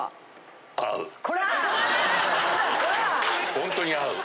ホントに合う。